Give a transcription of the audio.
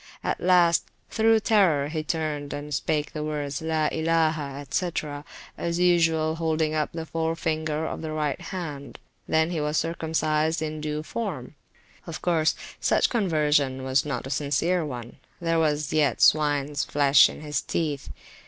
At last, through terror, he turned and spake the words (la ilaha, &c.), as usual holding up the forefinger of the right hand; he was then circumcised in due form. Of course, such conversion was not a sincere onethere was yet swines flesh in his teeth.